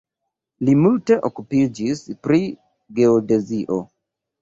Li multe okupiĝis pri geodezio.